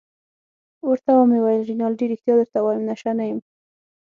ورته ومې ویل: رینالډي ريښتیا درته وایم، نشه نه یم.